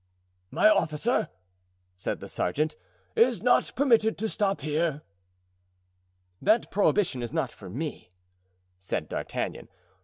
"My officer," said the sergeant, "it is not permitted to stop here." "That prohibition is not for me," said D'Artagnan.